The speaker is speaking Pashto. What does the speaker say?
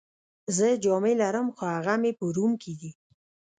زه جامې لرم، خو هغه مې په روم کي دي.